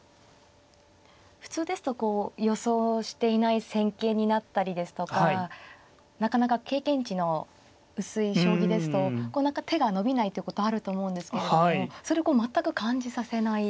普通ですと予想していない戦型になったりですとかなかなか経験値の薄い将棋ですと手が伸びないってことあると思うんですけれどもそれこう全く感じさせない。